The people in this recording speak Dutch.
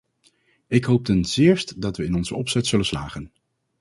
Ik hoop ten zeerst dat we in onze opzet zullen slagen.